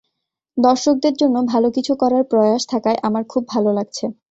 দর্শকদের জন্য ভালো কিছু করার প্রয়াস থাকায় আমার খুব ভালো লাগছে।